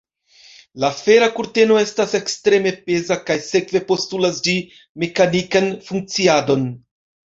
La fera kurteno estas ekstreme peza kaj sekve postulas ĝi mekanikan funkciadon.